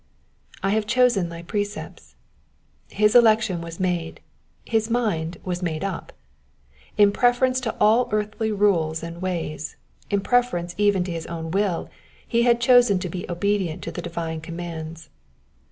'^ I have chosen thy precepts.'' His election was made, his mind was made up. In g reference to all earthly rules and ways, in preference even to his own will, e had chosen to be obedient to the divine commands.